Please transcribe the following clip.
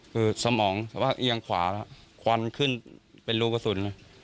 คือสมองแต่ว่าเอียงขวาแล้วควันขึ้นเป็นรูกระสุน